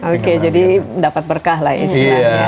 oke jadi dapat berkah lah istilahnya